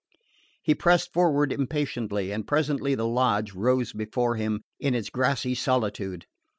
He pressed forward impatiently, and presently the lodge rose before him in its grassy solitude.